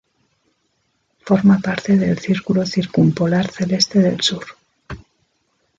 Forma parte del círculo circumpolar celeste del sur.